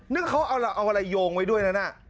นั่นเขาเอาอะไรโยงไว้ด้วยนะ